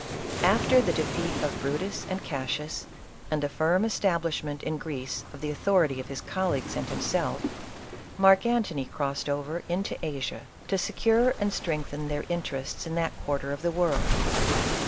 After the defeat of Brutus and Cassius, and the firm establishment in Greece of the authority of his col leagues and himself, Marc Antony crossed over into Asia, to secure and strengthen their interests in that quarter of the world.